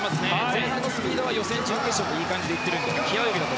前半のスピードは予選、準決勝といっているので。